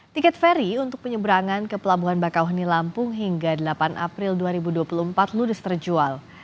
tiket ferry untuk penyeberangan ke pelabuhan bakauheni lampung hingga delapan april dua ribu dua puluh empat ludes terjual